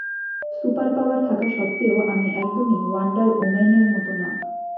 Superpower থাকা স্বত্বেও, আমি একদমই ওয়ান্ডার ওম্যানের মতো না।